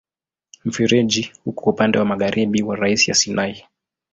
Mfereji uko upande wa magharibi wa rasi ya Sinai.